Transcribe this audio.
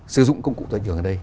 sử dụng công cụ doanh trường ở đây